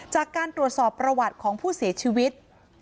จากการตรวจสอบประวัติของผู้เสียชีวิต